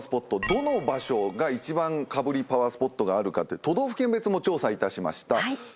どの場所が１番かぶりパワースポットがあるか都道府県別も調査いたしました。